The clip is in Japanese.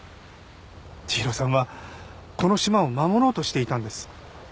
千尋さんはこの島を守ろうとしていたんです。